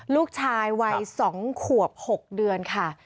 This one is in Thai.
ลูกชายวัย๒ขวบ๖เดือนค่ะ